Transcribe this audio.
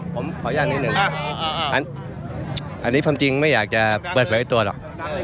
ผมขออนุญาตนิดหนึ่งอ่าอ่าอันอันนี้จริงไม่อยากจะเปิดไว้ให้ตัวหรอก